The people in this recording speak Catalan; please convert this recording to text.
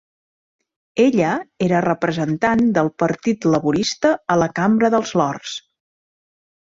Ella era representant del Partit Laborista a la Cambra dels Lords.